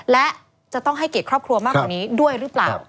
และจะต้องให้เกียรติครอบครัวมากกว่านี้ด้วยหรือเปล่า